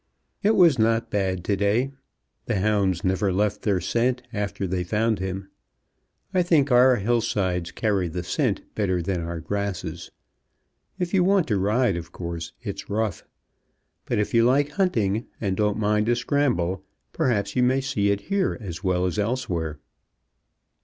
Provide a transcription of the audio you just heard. "It was not bad to day. The hounds never left their scent after they found him. I think our hillsides carry the scent better than our grasses. If you want to ride, of course, it's rough. But if you like hunting, and don't mind a scramble, perhaps you may see it here as well as elsewhere."